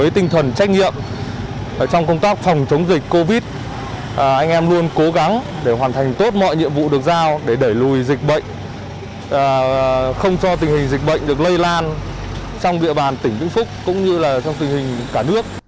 trong địa bàn tỉnh vĩnh phúc cũng như là trong tình hình cả nước